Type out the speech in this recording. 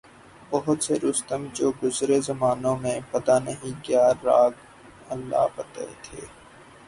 بہت سے رستم جو گزرے زمانوں میں پتہ نہیں کیا راگ الاپتے تھے۔